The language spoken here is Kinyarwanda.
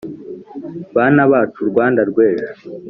bana bacu rwanda rw’ejo